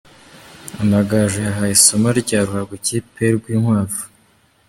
Amagaju yahaye isomo rya ruhago ikipe y’i Rwinkwavu.